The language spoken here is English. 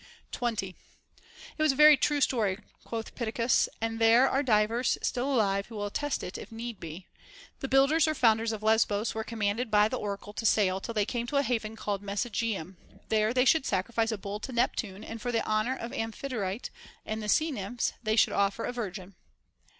20. It was a very true story, quoth Pittacus, and there are divers still alive who will attest it, if need be The builders or founders of Lesbos were commanded by the oracle to sail till they came to a haven called Mesogaeum, there they should sacrifice a bull to Neptune, and for the honor of Amphitrite and the sea nymphs they should offei a virgin.